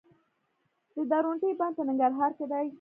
د درونټې بند په ننګرهار کې دی